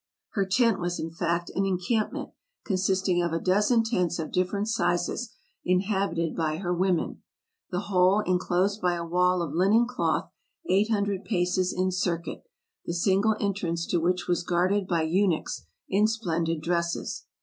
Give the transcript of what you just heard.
Her tent was in fact an encampment, consisting of a dozen tents of different sizes inhabited by her women ; the whole inclosed by a wall of linen cloth eight hundred paces in circuit, the single entrance to which was guarded by eunuchs in splendid dresses.